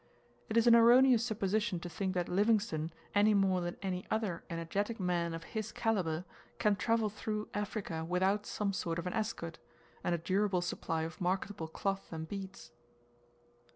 It is an erroneous supposition to think that Livingstone, any more than any other energetic man of his calibre, can travel through Africa without some sort of an escort, and a durable supply of marketable cloth and beads.